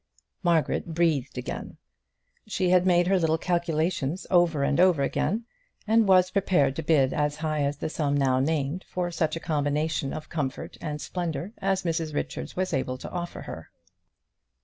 Margaret breathed again. She had made her little calculations over and over again, and was prepared to bid as high as the sum now named for such a combination of comfort and splendour as Mrs Richards was able to offer to her.